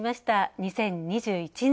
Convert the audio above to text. ２０２１年。